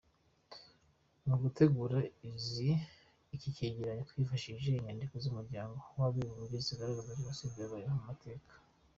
Mu gutegura iki cyegeranyo twifashishije inyandiko z’Umuryango wabibumbye zigaragaza Jenoside zabayeho mu mateka.